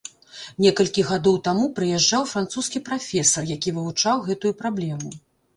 Некалькі гадоў таму прыязджаў французскі прафесар, які вывучаў гэтую праблему.